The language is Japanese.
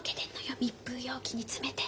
密封容器に詰めて。